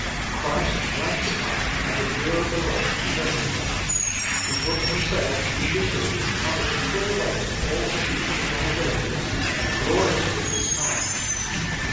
Christ drank the cup, and endured the wrath perfectly. He put himself, judicially, under the full weight of all his people's liabilities, and gloriously discharged them.